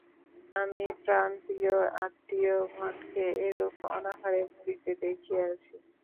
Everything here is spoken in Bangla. আমি প্রাণপ্রিয় আত্মীয়গণকে একরূপ অনাহারে মরিতে দেখিয়াছি।